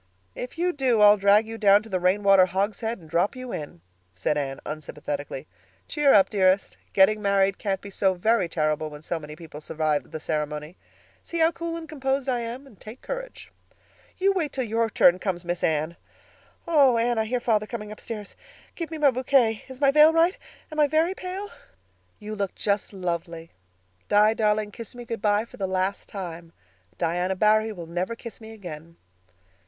"If you do I'll drag you down to the rainwater hogshed and drop you in," said Anne unsympathetically. "Cheer up, dearest. Getting married can't be so very terrible when so many people survive the ceremony. See how cool and composed I am, and take courage." "Wait till your turn comes, Miss Anne. Oh, Anne, I hear father coming upstairs. Give me my bouquet. Is my veil right? Am I very pale?" "You look just lovely. Di, darling, kiss me good bye for the last time. Diana Barry will never kiss me again."